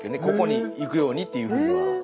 ここに行くようにっていうふうには。